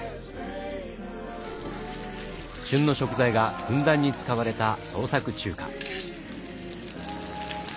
旬の食材がふんだんに使われた創作中華。